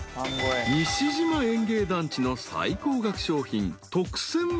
［西島園芸団地の最高額商品］